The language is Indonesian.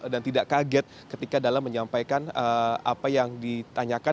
dan tidak kaget ketika dalam menyampaikan apa yang ditanyakan